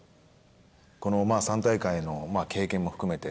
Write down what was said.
この３大会の経験も含めて